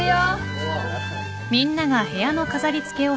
おう。